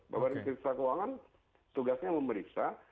badan periksa keuangan tugasnya memeriksa